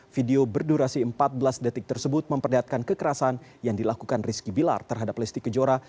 video berdurasi empat belas detik tersebut memperlihatkan kekerasan yang dilakukan rizky bilar terhadap lesti kejora